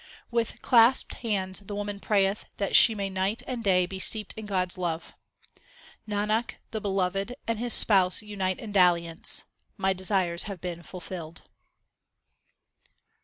With clasped hands the woman prayeth that she may night and day be steeped in God s love. Nanak, the Beloved and His spouse unite in dalliance ; my desires have been fulfilled.